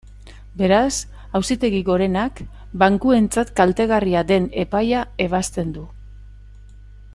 Beraz, Auzitegi Gorenak bankuentzat kaltegarria den epaia ebazten du.